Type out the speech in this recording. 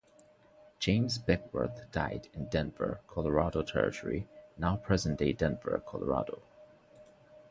James Beckwourth died in Denver, Colorado Territory, now present-day Denver, Colorado.